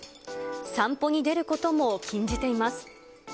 散歩に出ることも禁じています。